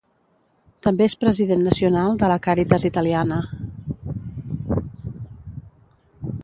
També és President Nacional de la Càritas Italiana.